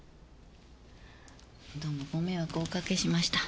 どうもご迷惑をおかけしました。